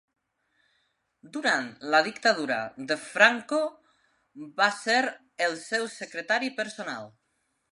Durant la dictadura de Franco va ser el seu secretari personal.